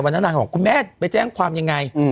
นางก็บอกคุณแม่ไปแจ้งความยังไง